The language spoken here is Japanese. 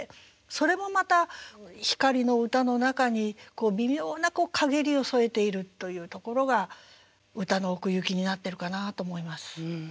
それもまた光の歌の中に微妙な陰りを添えているというところが歌の奥行きになってるかなと思います。